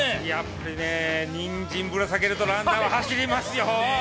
これね、にんじんぶら下げるとランナーは走りますよ。